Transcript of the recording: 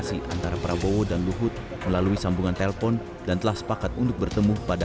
si pak prabowo dalam kondisi yang kurang sehat jadi pertemuan dipatalkan ditunda